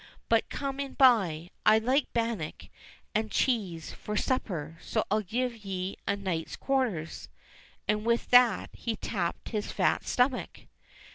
But come in by. I like bannock and cheese for supper, so I'll give ye a night's quarters." And with that he tapped his fat stomach.